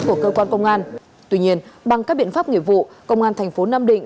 của cơ quan công an tuy nhiên bằng các biện pháp nghiệp vụ công an thành phố nam định